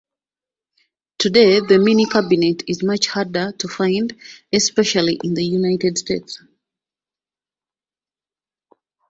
Today the mini-cabinet is much harder to find, especially in the United States.